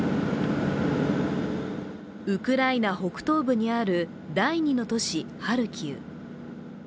ウクライナ北東部にある第二の都市、ハルキウ。